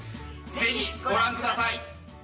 ぜひご覧ください。